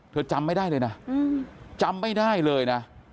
จำไม่ได้เลยนะจำไม่ได้เลยนะ